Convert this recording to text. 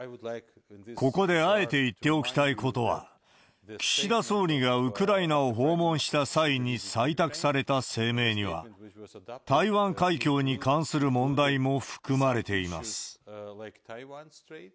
ここであえて言っておきたいことは、岸田総理がウクライナを訪問した際に採択された声明には、台湾海峡に関する問題も含まれています。